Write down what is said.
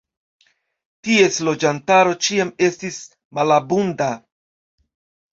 Ties loĝantaro ĉiam estis malabunda.